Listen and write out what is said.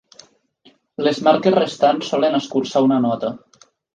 Les marques restants solen escurçar una nota.